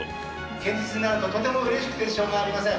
現実になると、とてもうれしくてしょうがありません。